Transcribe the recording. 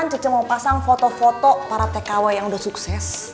di sebelah kanan cece mau pasang foto foto para tkw yang udah sukses